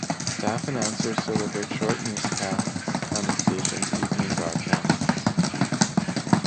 Staff announcers delivered short newscasts on the station's evening broadcasts.